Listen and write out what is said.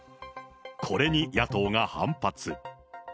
これに野党が反発。